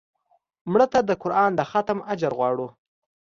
مړه ته د قرآن د ختم اجر غواړو